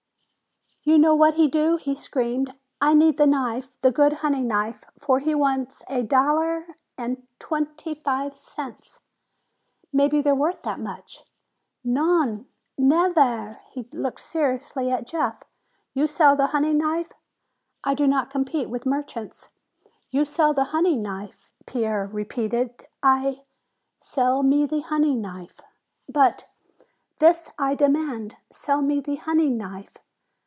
"You know what he do?" he screamed. "I need the knife, the good hunting knife! For it he wants a doll air and twenty five cents!" "Maybe they're worth that much." "Non! Nev air!" He looked seriously at Jeff. "You sell the hunting knife?" "I do not compete with merchants." "You sell the hunting knife?" Pierre repeated. "I " "Sell me the hunting knife!" "But " "This I demand! Sell me the hunting knife!"